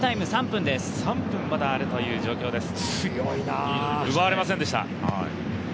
３分まだあるという状況です。